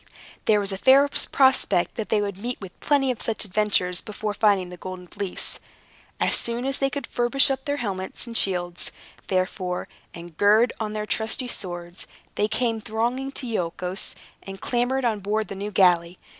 There was a fair prospect that they would meet with plenty of such adventures before finding the Golden Fleece. As soon as they could furbish up their helmets and shields, therefore, and gird on their trusty swords, they came thronging to Iolchos, and clambered on board the new galley.